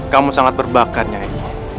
kamu sangat berbakat nyai